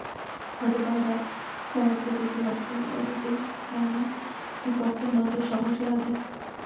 গতকাল রাত সাড়ে আটটার দিকে লস্করদি গ্রামে দুই পক্ষের মধ্যে সংঘর্ষ বাধে।